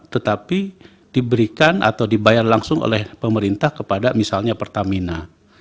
tetapi diberikan atau dibayar langsung oleh pemerintah kepada misalnya pertamina